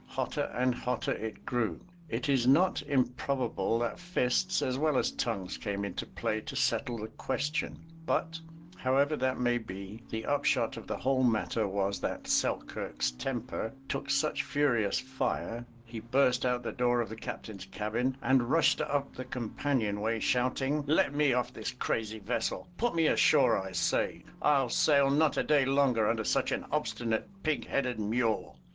Hotter and hotter it grew. It is not improbable that fists as well as tongues came into play to settle the question, but, however that may be, the upshot of the whole matter was that Selkirk's temper took such furious fire, he burst out the door of the Captain's cabin and rushed up the companionway, shouting: "Let me off this crazy vessel! Put me ashore, I say! I'll sail not a day longer under such an obstinate, pig headed mule!"